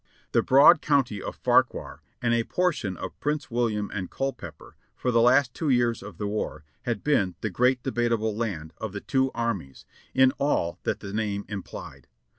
The broad county of Fauquier and a portion of Prince William and Culpeper, for the last two years of the war, had been the "Great Debatable Land" of the two armies, in all that the name implied.